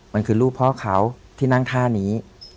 มันคือรูปพ่อเขาที่นั่งท่านี้